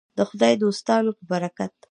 د خدای دوستانو په برکت.